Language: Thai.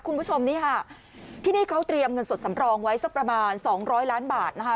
คุณผู้ชมนี่ค่ะที่นี่เขาเตรียมเงินสดสำรองไว้สักประมาณสองร้อยล้านบาทนะคะ